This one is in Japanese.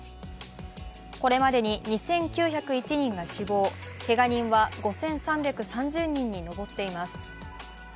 これまでに２９０１人が死亡、けが人は５３３０人に上っています。